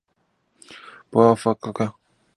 傅科摆